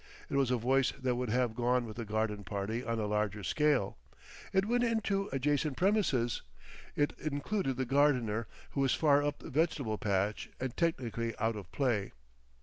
It was a voice that would have gone with a garden party on a larger scale; it went into adjacent premises; it included the gardener who was far up the vegetable patch and technically out of play.